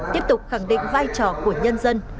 tiếp tục khẳng định vai trò của nhân dân